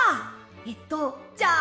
えっとじゃあ。